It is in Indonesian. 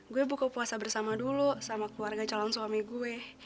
gue buka puasa bersama dulu sama keluarga calon suami gue